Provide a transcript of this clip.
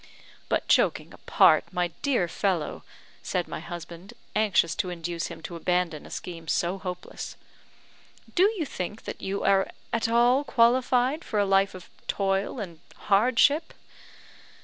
"But, joking apart, my dear fellow," said my husband, anxious to induce him to abandon a scheme so hopeless, "do you think that you are at all qualified for a life of toil and hardship?"